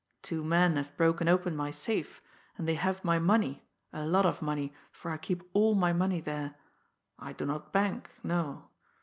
"Two men have broken open my safe, and they have my money, a lot of money, for I keep all my money there; I do not bank no.